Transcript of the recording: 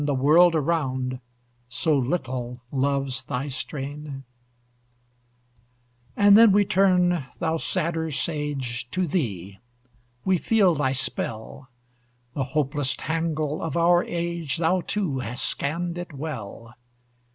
the world around So little loves thy strain? And then we turn, thou sadder sage, To thee! we feel thy spell! The hopeless tangle of our age, Thou too hast scanned it well!